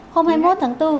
hôm hai mươi một tháng bốn